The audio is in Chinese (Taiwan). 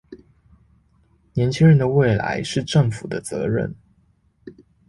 年輕人的未來是政府的責任